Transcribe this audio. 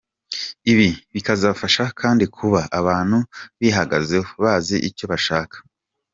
Ibi bikazabafasha kandi kuba abantu bihagazeho, bazi icyo bashaka.